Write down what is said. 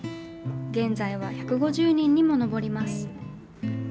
現在は１５０人にも上ります。